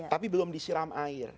tapi belum disiram air